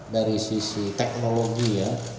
dari sisi teknologi ya